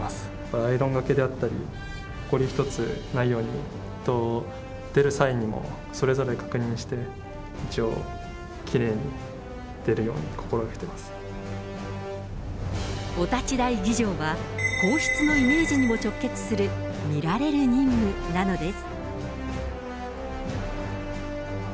アイロンがけであったり、ほこり一つないように、出る際にも、それぞれ確認して、一応、お立ち台儀じょうは、皇室のイメージにも直結する、見られる任務なのです。